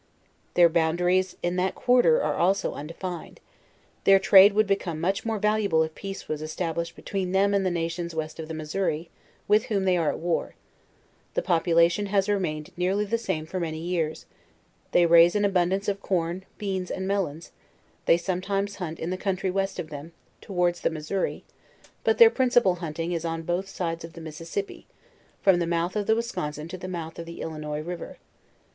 Their boundaries in that quarter are also undefined: their trade would become much more val uable if peace was established between them and the nations west of the Missouri, with whom they are at war; the pop ulation has remained nearly the same for many years; they raise an abundance of corn, beans, and melons; they some times hunt in the country west of them, towards the Missouri; but their principal hunting is on both sides of the Mississip pi, from the mouth of the Wisconsin to the mouth of the Illi nois river.